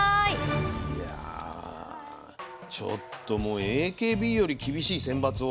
いやちょっともうＡＫＢより厳しい選抜を。